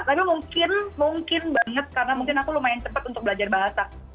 tapi mungkin banget karena mungkin aku lumayan cepat untuk belajar bahasa